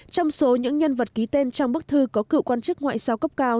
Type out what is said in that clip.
trong số những nhân vật ký tên trong bức thư có cựu quan chức ngoại giao cấp cao